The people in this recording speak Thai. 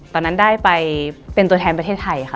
ตอนนั้นได้ไปเป็นตัวแทนประเทศไทยค่ะ